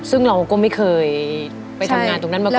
ซึ่งเราก็ไม่เคยไปทำงานตรงนั้นมาก่อน